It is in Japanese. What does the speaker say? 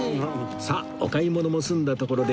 さあお買い物も済んだところで